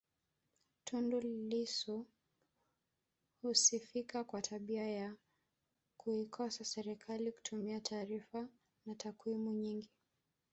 Tundu Lissu husifika kwa tabia ya kuikosoa serikali akitumia taarifa na takwimu nyingi